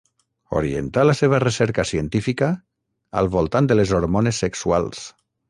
Orientà la seva recerca científica al voltant de les hormones sexuals.